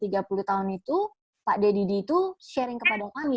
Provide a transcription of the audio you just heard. tiga puluh tahun itu pak deddy itu sharing kepada kami